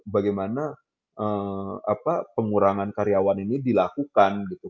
bagaimana pengurangan karyawan ini dilakukan gitu